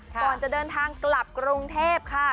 ก่อนจะเดินทางกลับกรุงเทพค่ะ